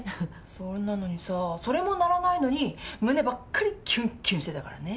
それなのにさそれも鳴らないのに胸ばっかりキュンキュンしてたからね。